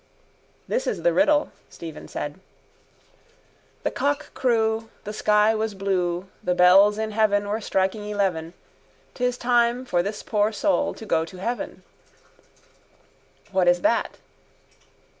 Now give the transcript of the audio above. —This is the riddle, Stephen said: The cock crew, The sky was blue: The bells in heaven Were striking eleven. 'Tis time for this poor soul To go to heaven. What is that?